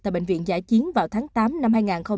tại bệnh viện giải chiến vào tháng tám năm hai nghìn hai mươi một